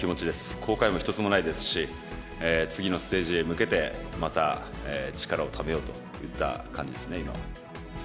後悔も一つもないですし、次のステージへ向けて、また力をためようといった感じですね、今は。